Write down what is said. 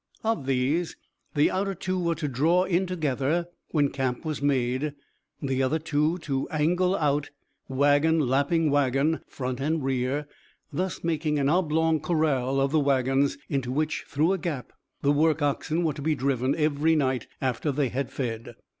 Of these, the outer two were to draw in together when camp was made, the other two to angle out, wagon lapping wagon, front and rear, thus making an oblong corral of the wagons, into which, through a gap, the work oxen were to be driven every night after they had fed.